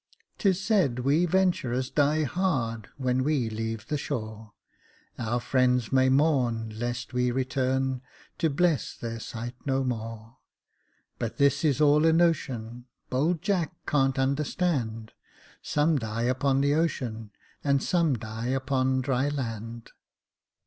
'• 'Tis said we ventrous die hard, When we leave the shore, Our friends may mourn, lest we return To bless their sight no more. But this is all a notion Bold Jack can't understand ; Some die upon the ocean, And some die upon dry land."